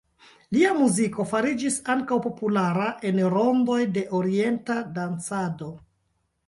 Lia muziko fariĝis ankaŭ populara en rondoj de orienta dancado.